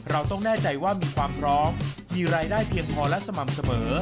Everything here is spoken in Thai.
เราต้องแน่ใจว่ามีความพร้อมมีรายได้เพียงพอและสม่ำเสมอ